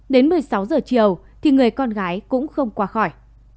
đến một mươi sáu giờ chiều thì người con gái cũng không qua khỏi